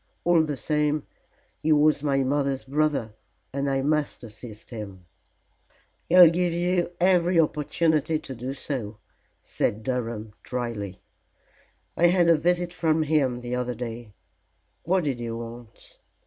All the same he was my mother's brother, and I must assist him." "He'll give you every opportunity to do so," said Durham, dryly. "I had a visit from him the other day?" "What did he want?"